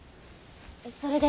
それで。